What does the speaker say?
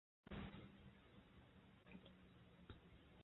Otros fabricantes que tienen aparatos similares.